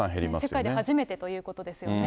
世界で初めてということですよね。